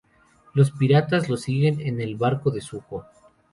Los piratas los siguen en el barco de Zuko.